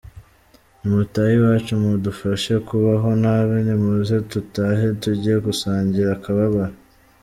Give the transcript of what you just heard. Nimutahe iwacu mudufashe kubaho nabi, nimuze dutahe tujye gusangira akababaro.